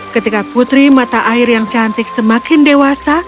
ketika putri mata air yang cantik semakin dewasa